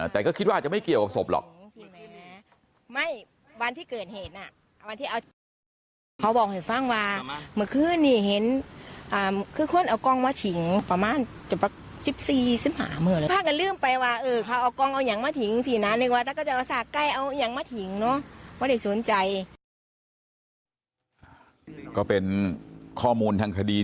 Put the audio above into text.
แต่ก็คิดว่าอาจจะไม่เกี่ยวกับศพหรอก